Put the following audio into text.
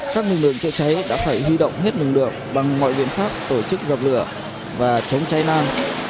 các lực lượng chữa cháy đã phải duy động hết lực lượng bằng mọi viện pháp tổ chức dọc lửa và chống cháy nam